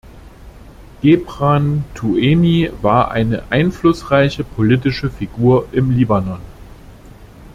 Gebran Tueni war eine einflussreiche politische Figur im Libanon.